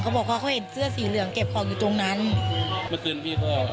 บอกว่าเขาเห็นเสื้อสีเหลืองเก็บของอยู่ตรงนั้นเมื่อคืนพี่พ่อ